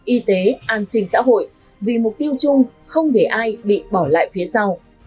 y tế an sinh xã hội vì mục tiêu chung không để ai bị bỏ lại phía sau